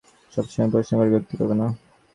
সবসময় প্রশ্ন করে বিরক্ত করবে না।